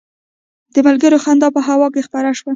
د ملګرو خندا په هوا کې خپره شوه.